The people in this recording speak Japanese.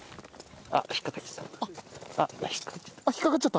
あっ引っかかっちゃった。